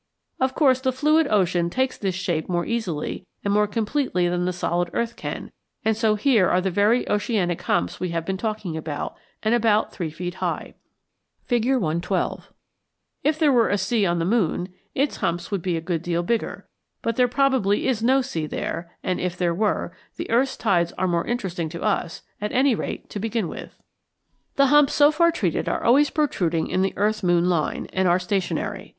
Of course the fluid ocean takes this shape more easily and more completely than the solid earth can, and so here are the very oceanic humps we have been talking about, and about three feet high (Fig. 112). If there were a sea on the moon, its humps would be a good deal bigger; but there probably is no sea there, and if there were, the earth's tides are more interesting to us, at any rate to begin with. [Illustration: FIG. 112. Earth and moon (earth's rotation neglected).] The humps as so far treated are always protruding in the earth moon line, and are stationary.